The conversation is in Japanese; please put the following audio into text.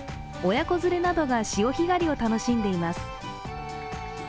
親子連れなどが潮干狩りを楽しんでいます。